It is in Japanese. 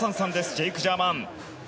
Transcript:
ジェイク・ジャーマン。